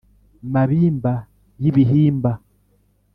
mabimba y’ibihimba